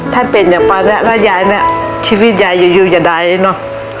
ถ้าเป็นอย่าไปแล้วยายเนี่ยชีวิตยายอยู่อย่าใดเนอะ